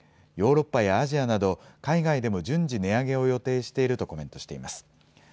ヨーロッパやアジアなど、海外でも、順次、値上げを予定しているとコメントしています。